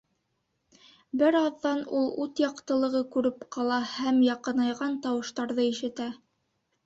Бер аҙҙан ул ут яҡтылығы күреп ҡала һәм яҡынайған тауыштарҙы ишетә.